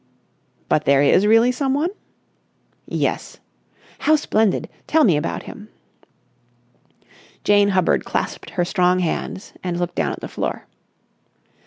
"But there is really someone?" "Yes." "How splendid! Tell me about him." Jane Hubbard clasped her strong hands and looked down at the floor.